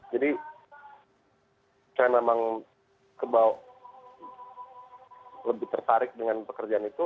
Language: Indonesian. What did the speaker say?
jadi saya memang kembali lebih tertarik dengan pekerjaan itu